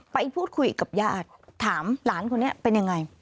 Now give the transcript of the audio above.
ไปพูดคุยกับญาติถามหลานคนนี้เป็นยังไง